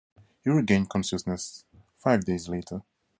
He regained consciousness five days later.